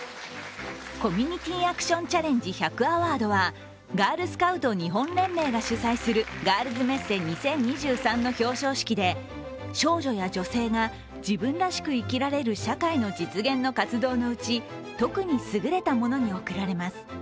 コミュニティアクションチャレンジ１００アワードはガールスカウト日本連盟が主催するガールズメッセ２０２３の表彰式で、少女や女性が自分らしく生きられる社会の実現の活動のうち特にすぐれたものに贈られます。